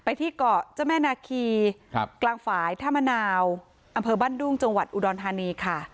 ที่เกาะเจ้าแม่นาคีกลางฝ่ายท่ามะนาวอำเภอบ้านดุ้งจังหวัดอุดรธานีค่ะ